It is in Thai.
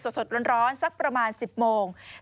สดร้อนสักประมาณ๑๐โมง